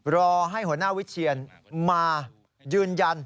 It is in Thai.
รอให้หัวหน้าวิเชียนมายืนยัน